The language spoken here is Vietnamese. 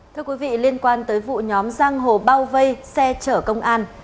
thưa quý vị liên quan tới vụ nhóm giang hồ bao vây xe chở công an